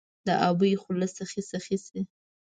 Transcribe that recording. د ابۍ خوله سخي، سخي شي